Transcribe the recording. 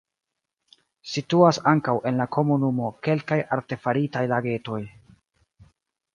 Situas ankaŭ en la komunumo kelkaj artefaritaj lagetoj.